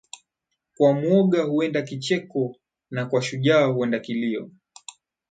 Kwa mwoga huenda kicheko na kwa shujaa huenda kilio